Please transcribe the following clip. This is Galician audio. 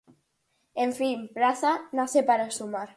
En fin, Praza nace para sumar.